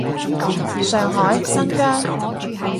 上海，新疆